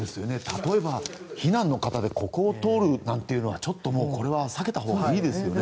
例えば避難の方でここを通るなんていうのはちょっと避けたほうがいいですよね。